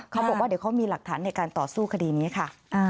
เขาบอกว่าเดี๋ยวเขามีหลักฐานในการต่อสู้คดีนี้ค่ะ